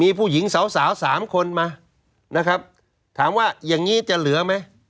มีผู้หญิงสาวสาวสามคนมานะครับถามว่าอย่างนี้จะเหลือไหม